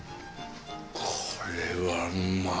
これはうまい。